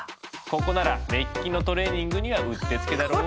ここなら目利きのトレーニングにはうってつけだろ？